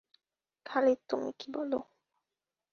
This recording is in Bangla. খালিদ তুমি কি বল।